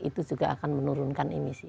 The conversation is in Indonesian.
itu juga akan menurunkan emisi